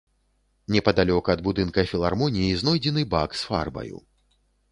Непадалёк ад будынка філармоніі знойдзены бак з фарбаю.